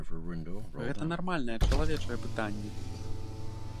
Гэта нармальнае чалавечае пытанне.